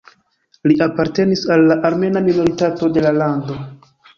Li apartenas al la armena minoritato de la lando.